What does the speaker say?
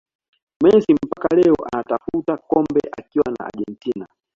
Messi mpaka leo anatafuta kombe akiwa na Argentina